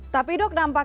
tapi dok nampaknya